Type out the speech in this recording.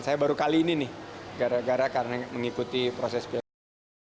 saya baru kali ini nih gara gara karena mengikuti proses pilkada